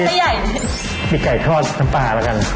สามบาทมีไก่ทอดเล่มละกัน